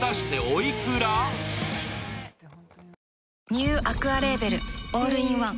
ニューアクアレーベルオールインワン